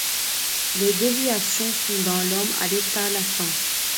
Les déviations sont dans l’homme à l’état latent.